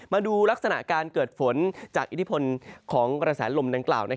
มาดูลักษณะการเกิดฝนจากอิทธิพลของกระแสลมดังกล่าว